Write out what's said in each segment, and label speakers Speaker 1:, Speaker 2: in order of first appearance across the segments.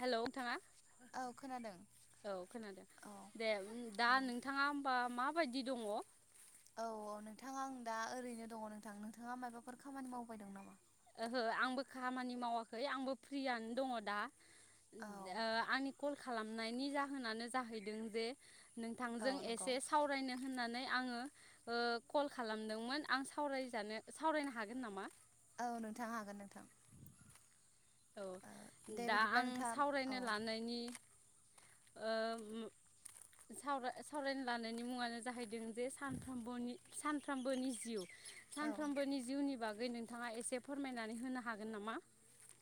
Speaker 1: हेल' नोंथाङा
Speaker 2: औ खोनादों
Speaker 1: औ खोनादों
Speaker 2: औ
Speaker 1: दे दा
Speaker 2: औ
Speaker 1: नोंथाङा होमबा मा बायदि दङ?
Speaker 2: औ औ नोंथाङा आं दा ओरैनो दङ नोंथां नोंथाङा मायाबाफोर खामानि मावबायदों नामा?
Speaker 1: ओहो आंबो खामानि मावाखै आंबो फ्रियानो दङ दा
Speaker 2: औ
Speaker 1: ओ आनि कल खालामनायनि जाहोनानो जाहैदों जे
Speaker 2: औ
Speaker 1: नोंथांजों
Speaker 2: नंगौ
Speaker 1: एसे सावरायनो होननानै आङो ओ कल खालामदोंमोन आं सावरायजानो सावरायनो हागोन नामा?
Speaker 2: औ नोंथां हागोन नोंथां।
Speaker 1: औ
Speaker 2: ओ दे
Speaker 1: दा
Speaker 2: बिदिब्ला
Speaker 1: आं
Speaker 2: नोंथाङा औ
Speaker 1: सावरायनो लानायनि ओ सावराय सावरायनो लानायनि मुङानो जाहैदों जे सानफ्रबोनि सानफ्रोमबोनि जिउ
Speaker 2: औ
Speaker 1: सानफ्रोमबोनि जिउनि बाग गै नोंथाङा एसे फोरमायनानै होनो हागोन नामा?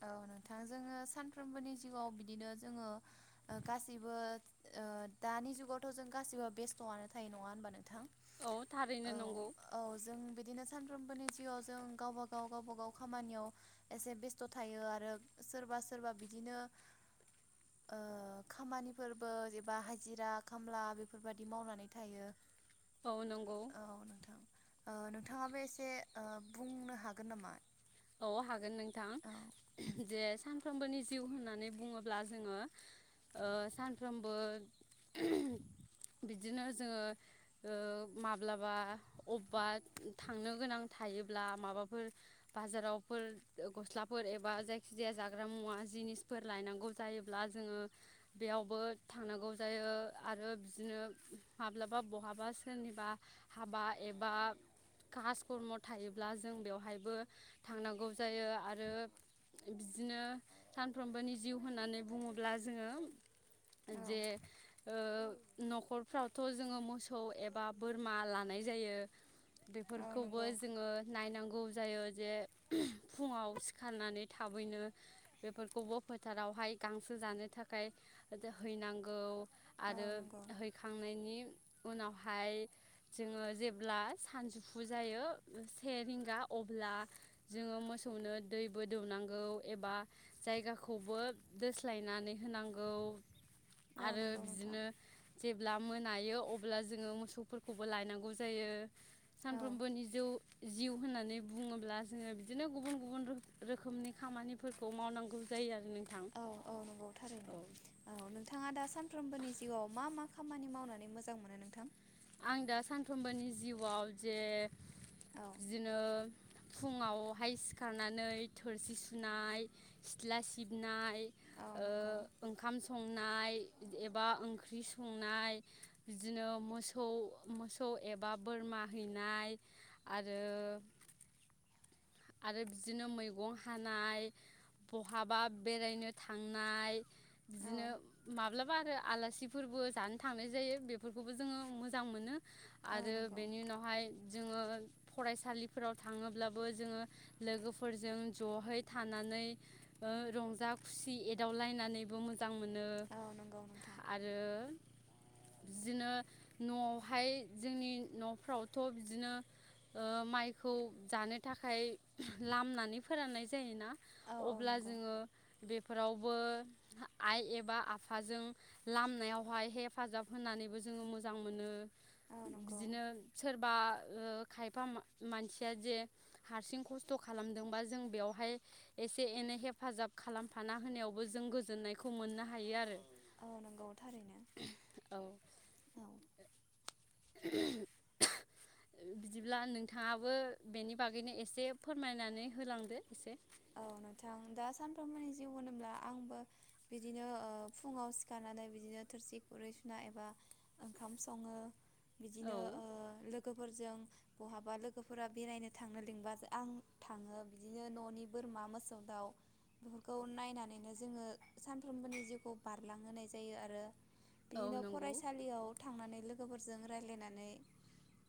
Speaker 2: औ नोंथां जोङो सानफ्रोमबोनि जिउआव बिदिनो जोङो ओ गासैबो ओ दानि जुगावथ' जों गासिबो बेस्थ'आनो थायो नङा होनबा नों थां
Speaker 1: औ थारैनो
Speaker 2: औ
Speaker 1: नंगौ
Speaker 2: औ जों बिदिनो सान फ्रोमबोनि जिउआव जों गावबा गाव गावबा गाव खामानियाव एसे बेस स्थ' थायो आरो सोरबा सोरबा बिदिनो ओ खामानिफोरबो एबा हाजिरा खामला बेफोरबायदि मावनानै थायो।
Speaker 1: औ नंगौ।
Speaker 2: औ नोंथां ओ नोंथाङाबो एसे ओ बुंनो हागोन नामा?
Speaker 1: औ हागोन नों थां
Speaker 2: औ
Speaker 1: जे सान फ्रामबोनि जिउ होननानै बुङोब्ला जोङो ओ सानफ्रोमबो बिदिनो जोङो ओ माब्लाबा अबबा थांनो गोनां थायोब्ला माबाफोर बाजारावफोर गस्लाफोर एबा जायखि जाया जाग्रा मुवा जिनिसफोर लायनांगौ जायोब्ला जोङो बेयावबो थांनांगौ जायो आरो बिदिनो माब्लाबा बहाबा सोरनिबा हाबा एबा कास खरम थायोब्ला जों बेवहायबो थांनांगौ जायो आरो बिदिनो सानफ्रोमबोनि जिउ होननानै बुङोब्ला जोङो
Speaker 2: औ
Speaker 1: जे ओ न'खरफ्रावथ' जोङो मोसौ एबा बोरमा लानाय जायो।
Speaker 2: औ
Speaker 1: बेफोरखौबो
Speaker 2: नंगौ
Speaker 1: जोङो नायनांगौ जायो। जे फुङाव सिखारनानै थाबैनो बेफोरखौबो फोथारावहाय गांसो जानो थाखाय हैनांगौ।
Speaker 2: औ
Speaker 1: आरो
Speaker 2: नंगौ
Speaker 1: हैखांनायनि उनावहाय जोङो जेब्ला सानजौफु जायो से रिंगा अब्ला जोङो मोसौनो दैबो दौनांगौ एबा जायगाखौबो दोस्लायनानै होनांगौ।
Speaker 2: औ
Speaker 1: आरो
Speaker 2: नंगौ नोंथां
Speaker 1: बिदिनो जेब्ला मोनायो अब्ला जोङो मोसौफोरखौबो लायनांगौ जायो।
Speaker 2: औ
Speaker 1: सानफ्रोमबोनि जौ जिउ होननानै बुङोब्ला जोङो बिदिनो गुबुन गुबुन रो रोखोमनि खामानिफोरखौ मावनांगौ जायो आरो। नोंथां
Speaker 2: औ औ नंगौ
Speaker 1: औ
Speaker 2: थारैनो औ नोंथाङा दा सान फ्रोमबोनि जिउआव मा मा खामानि मावनानै मोजां मोनो नोंथां?
Speaker 1: आं दा सानफ्रोमबोनि जिउआव जे
Speaker 2: औ
Speaker 1: बिदिनो फुङावहाय सिखारनानै थोरसि सुनाय सिथ्ला सिबनाय
Speaker 2: औ नंगौ
Speaker 1: ओं ओंखाम सं नाय एबा ओंख्रै संनाय बिदिनो मोसौ मोसौ एबा बोरमा हैनाय आरो आरो बिदिनो मैगं हानाय बहाबा बेरायनो थांनाय
Speaker 2: औ
Speaker 1: बिदिनो माब्लाब बा आरो आलासिफोरबो जानो थांनाय जायो बेफोरखौबो जोङो मोजां मोनो।
Speaker 2: औ
Speaker 1: आरो
Speaker 2: नंगौ
Speaker 1: बेनि उनावहाय जोङो फरायसालिफोराव थाङोब्लाबो जोङो लोगोफोरजों जहै थानानै रंजा खुसि एदावलायनानैबो मोजां मोजां मोनो
Speaker 2: औ नंगौ नोंथां
Speaker 1: आरो बिदिनो न'आवहाय जोंनि न'फ्रावथ' बिदिनो ओ माइखौ जानो थाखाय लामनानै फोराननाय जायोना
Speaker 2: औ औ
Speaker 1: अब्ला
Speaker 2: नंगौ
Speaker 1: जोङो बेफोराव बो आइ एबा आफाजों लामनायायावहाय हेफाजाब होनानैबो जोङो मोजां मोनो।
Speaker 2: औ नंगौ
Speaker 1: बिदिनो सोरबा ओ खायफा मानसिया जे हारसिं खस्थ' खालामदोंबा जों बेवहाय एसे एनै हेफाजाब खालामफाना होनायावबो जों गोजोननायखौ मोननो हायो आरो
Speaker 2: औ नंगौ थारैनो
Speaker 1: औ
Speaker 2: औ
Speaker 1: बिदिब्ला नोंथाङाबो बेनि बागैनो एसे फोरमायनानै होलांदो एसे
Speaker 2: औ नोंथां दा सानफ्रोमबोनि जिउ होनोब्ला आंबो बिदिनो ओ फुङाव सिखारनानै बिदिनो थोरसि खुरै सुना एबा ओंखाम सङो।
Speaker 1: औ
Speaker 2: बिदिनो ओ लोगोफोरजों बहाबा लोगोफोरा बेरायनो थांनो लिंबा आं थाङो बिदिनो न'नि बोरमा मोसौ दाउ बेफोरखौ नायनानैनो जोङो सानफ्रोमबोनि जिउखौ बारलांहोनाय जायो आरो
Speaker 1: औ
Speaker 2: बिदिनो
Speaker 1: नंगौ
Speaker 2: फरायसालियाव थांनानै लोगोफोरजों रायज्लायनानै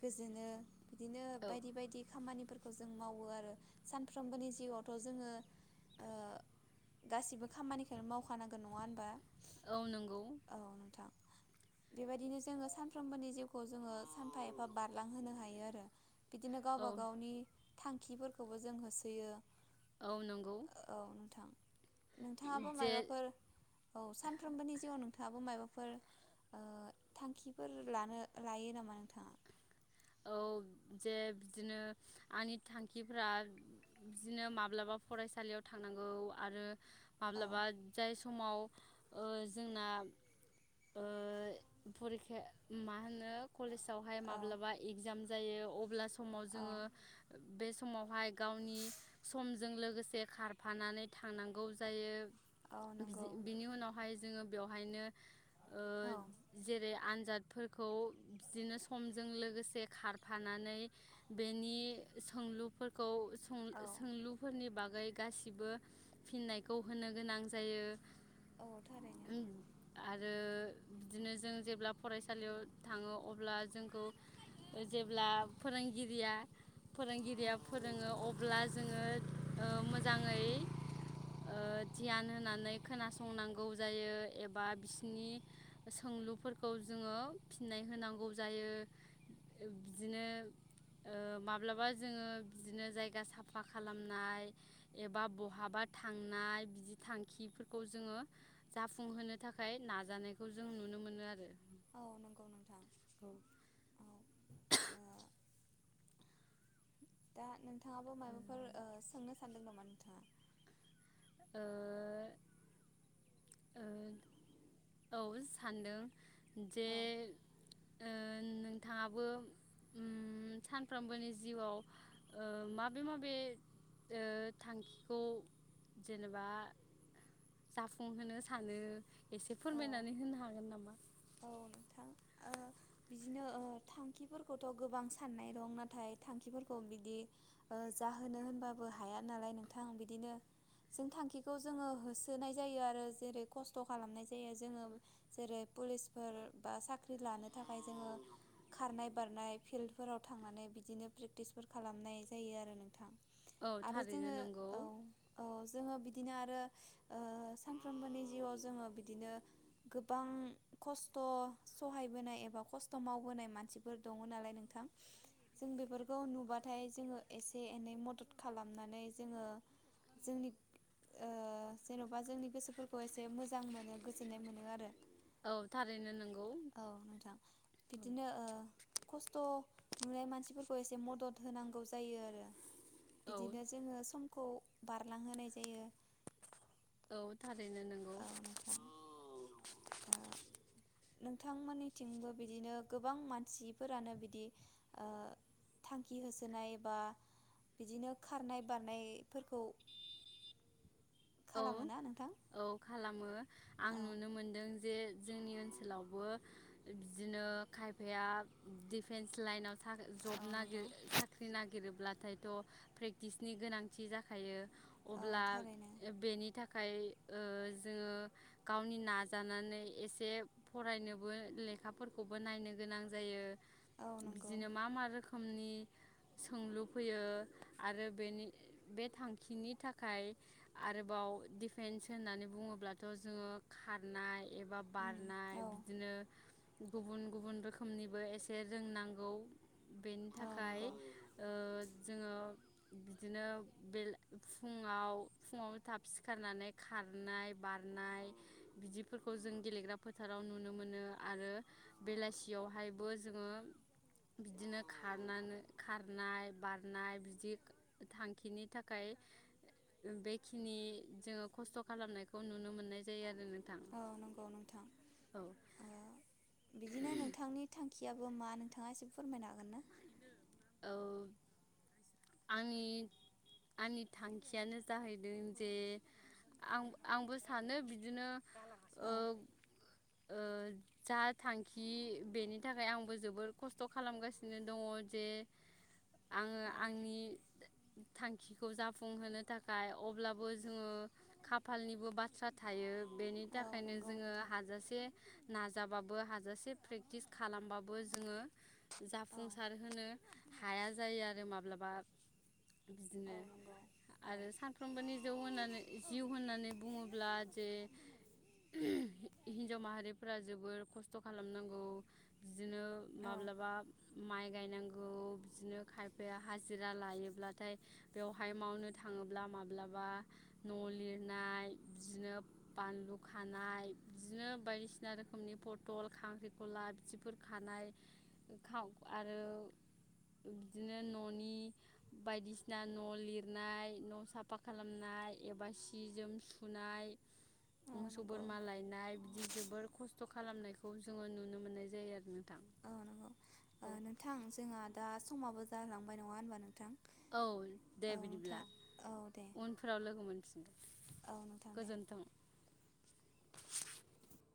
Speaker 2: गोजोनो बिदिनो
Speaker 1: औ
Speaker 2: बायदि बायदि खामानिफोरखौ जों मावो आरो सानफ्रोबोनि जिउ थ' जोङो ओ गासिबो खामानिखौ मावखानांगोन नङा होनबा?
Speaker 1: औ नंगौ।
Speaker 2: औ नोंथां बेबायदिनो जोङो सानफ्रोमबोनि जिउखौ जोङो सानफा एफा बारलांहोनो हायो आरो। बिदिनो
Speaker 1: औ
Speaker 2: गावबा गावनि थांखिफोरखौबो जों होसोयो
Speaker 1: औ नंगौ।
Speaker 2: औ नोंथां नोंथाङाबो
Speaker 1: जे
Speaker 2: मायबाफोर औ सानफ्रोमबोनि जिउआव नोंथाङाबो मायबा फोर आ थांखिफोर लानो लायो नामा नोंथाङा?
Speaker 1: औ जे बिदिनो आंनि थांखिफ्रा बिदिनो माब्लाबा फरायसालियाव थांनांगौ आरो माब्लाबा
Speaker 2: औ
Speaker 1: जाय समाव ओ जोंना ओ फरिखाया मा होनो। कलेजावहाय
Speaker 2: औ
Speaker 1: माब्लाबा इगजाम जायो अब्ला समाव
Speaker 2: औ
Speaker 1: जोङो। बे समावहाय गावनि समजों लोगोसे खारफानानै थांनांगौ जायो।
Speaker 2: औ नंगौ
Speaker 1: बिनि उनावहाय जोङो बेवहायनो। ओ
Speaker 2: औ
Speaker 1: जेरै आ आनजादफोरखौ बिजोंनो समजों लोगोसे खारफानानै बेनि सोंलुफोरखौ सों
Speaker 2: औ
Speaker 1: सोंलुफोरनि बाग जाय गासिबो फिननायखौ होनो गोनां जायो।
Speaker 2: औ थारैनो।
Speaker 1: आरो बिदिनो जों जेब्ला फरायसालियाव थाङो अब्ला जोंखौ जेब्ला फोरोंगिरिया
Speaker 2: औ
Speaker 1: फोरोंगिरिया फोरोङो अब अब्ला जोङो ओ मोजाङै ओ ध्यान होनानै खोनासंनांगौ जायो एबा बिसोरनि सोंलुफोरखौ जोङो फिननाय होनांगौ जायो। बिदिनो ओ माब्लाबा जोङो ओ बिदिनो जायगा साफा खालामनाय एबा बहाबा थांनाय बिदि थांखिफोरखौ जोङो जाफुंहोनो थाखाय नाजानायखौ जों नुनो मोनो आरो।
Speaker 2: औ नंगौ नोंथां।
Speaker 1: ओ
Speaker 2: औ ओ दा नो नोंथाङाबो माबाफोर सोंनो सो सानदों नामा नोंथाङा?
Speaker 1: औ सान्दों। जे
Speaker 2: औ
Speaker 1: ओ नोंथाङाबो ओम सानफ्रोमबोनि जिउआव ओ माबे माबे ओ थांखिखौ जेनेबा जाफुंहोनो सानो एसे
Speaker 2: औ
Speaker 1: फोरमायनानै होनो हागोन नामा?
Speaker 2: औ नोंथां ओ बिदिनो ओ थांखिफोरखौथ' गोबां साननाय दं नाथाय थांखिफोरखौ बिदि ओ जाहोनो होनबाबो हाया नालाय नोंथां बिदिनो जों थांखिखौ जोङो होसोनाय जायो आरो जेरै खस्थ' खालामनाय जायो जोङो जेरै पुलिस फोर बा साख्रि लानो थाखाय जोङो खारनाय बारनाय फिल्डफोराव थांनानै बिदिनो प्रेक्टिसफोर खालामनाय जायो आरो नोंथां।
Speaker 1: औ
Speaker 2: आरो
Speaker 1: थारैनो
Speaker 2: जोङो
Speaker 1: नंगौ
Speaker 2: औ औ जोङो बि दिनो आरो ओ सानफ्रोमबोनि जिउआव जोङो बिदिनो गोबां खस्थ' सहायबोनाय एबा खस्थ' मावबोनाय मानसिफोर दङ नालाय नोंथां जों बेफोरखौ नुबाथाय जोङो एसे एनै मदद खालामनानै जोङो जोंनि ओ जेन'बा जोंनि गोसोफोरखौ एसे मोजां मोनो गोजोननाय मोनो आरो।
Speaker 1: औ थारैनो नंगौ।
Speaker 2: औ नोंथां बिदिनो ओ खस्थ' नुनाय मानसिफोरखौ एसे मदद होनांगौ जायो आरो।
Speaker 1: औ
Speaker 2: बिदिनो जोङो सम खौ बारलांहोनाय जायो।
Speaker 1: औ। थारैनो नोंगौ।
Speaker 2: औ नोंथां ओ नोंथांमोननिथिंबो बिदिनो गोबां मानसिफोरानो बिदि ओ थांखि होसोनाय बा बिदिनो खारनाय बारनायफोरखौ
Speaker 1: औ
Speaker 2: खालामो ना नोंथां
Speaker 1: औ खालामो। आं
Speaker 2: औ
Speaker 1: नुनो मोनदों जे जोंनि ओनसोलावबो बिदिनो खायफाया दिडिफेन्स लाइनाव सा जब
Speaker 2: औ
Speaker 1: नागिर
Speaker 2: नंगौ
Speaker 1: साख्रि नागिरोब्ला नाथायथ' प्रेक्टिसनि गोनांथि जाखायो।
Speaker 2: औ
Speaker 1: अब्ला
Speaker 2: थारैनो
Speaker 1: बेनि थाखाय ओ जोङो गावनि नाजानानै एसे फरायनोबो लेखाफोरखौबो नायनो गोनां जायो।
Speaker 2: औ नंगौ
Speaker 1: बिदिनो मा मा रोखोम खोमनि सोंलु फैयो आरो बेनि बे थांखिनि थाखाय आरोबाव डिफेन्स होननानै बुङोब्लाथ' जोङो खारनाय एबा
Speaker 2: उम
Speaker 1: बारनाय
Speaker 2: औ
Speaker 1: बिदिनो गुबुन गुबुन रोखोमनिबो एसे रोंनांगौ। बेनि
Speaker 2: औ
Speaker 1: थाखाय
Speaker 2: नंगौ
Speaker 1: ओ जोङो बिदिनो बे फुङाव फुङाव थाब सिखारनानै खारनाय बारनाय बिदिफोरखौ जों गेलेग्रा फोथाराव नुनो मोनो आरो बेलासियावहायबो जोङो बिदिनो खारनानै खारनाय बारनाय बिदि थांखिनि थाखाय बेखिनि जोङो खस्थ' खालामनायखौ नुनो मोननाय जायो आरो नों
Speaker 2: औ नंगौ नोंथां ओ बिदिनो नोंथांनि थांखि याबो मा नोंथाङा एसे फोरमायनो हागोन ना?
Speaker 1: औ आंनि आंनि थांखियानो जाहैदों जे आं आंबो सानो बिदिनो ओ
Speaker 2: औ
Speaker 1: ओ जा थांखि बेनि थाखाय आंबो जोबोर खस्थ' खालामगासिनो दङ जे आङो
Speaker 2: औ
Speaker 1: आंनि थांखिखौ जाफुंहोनो थाखाय अब्लाबो जोङो खाफालनिबो बाथ्रा थायो। बेनि
Speaker 2: औ
Speaker 1: थाखायनो
Speaker 2: नंगौ
Speaker 1: जोङो
Speaker 2: नोंथां
Speaker 1: हाजासे नाजाबाबो हाजासे प्रेक्टिस खालामबाबो जोङो
Speaker 2: औ
Speaker 1: जाफुंसार होनो हाया जायो आरो माबा ब्लाबा
Speaker 2: औ
Speaker 1: बिदिनो
Speaker 2: नंगौ औ
Speaker 1: आरो सानफ्रोमबोनि जौ होनानै जिउ होनानै बुङोब्ला जे हिन्जाव माहारिफोरा जोबोर खस्थ' खालामनांगौ बिदिनो
Speaker 2: औ
Speaker 1: माब्लाबा माइ गायनांगौ बिदिनो खाय फाया हाजिरा लायोब्लाथाय बेवहाय मावनो थाङोब्ला माब्लाबा न' लिरनाय बिदिनो बानलु खानाय बिदिनो बायदिसिना रोखोमनि फटल खांख्रिखला बिदिफोर खानाय खाव आरो बिदिनो न'नि बायदिसिना न' लिरनाय न' साफा खालामनाय एबा सि जोम सुनाय
Speaker 2: औ
Speaker 1: मोसौ
Speaker 2: नंगौ
Speaker 1: बोरमा लायनाय बिदि जोबोर खस थ' खालामनायखौ जोङो नुनो मोननाय जायो आरो ना।
Speaker 2: औ नंगौ ओ नोंथां जोंहा दा समाबो जालांबाय नङा होनबा नोंथां?
Speaker 1: औ दे
Speaker 2: औ
Speaker 1: बिदिब्ला
Speaker 2: नोंथां औ दे
Speaker 1: उनफोराव लोगो मोनफिन
Speaker 2: औ नोंथां दे
Speaker 1: गोजोनथों